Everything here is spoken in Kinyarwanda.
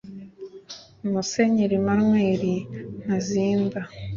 musenyeri emmanuel ntazinda